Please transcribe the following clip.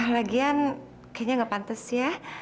lagian kayaknya nggak pantes ya